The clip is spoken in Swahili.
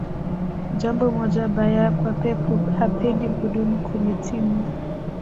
jambo moja baya kwa pep hapendi kudumu kwenye timu